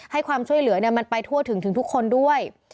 ความช่วยเหลือมันไปทั่วถึงถึงทุกคนด้วย